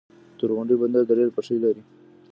تورغونډۍ بندر د ریل پټلۍ لري؟